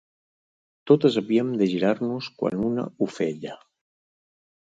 Totes havíem de girar-nos quan una ho feia.